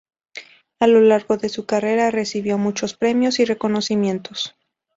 A lo largo de su carrera recibió muchos premios y reconocimientos.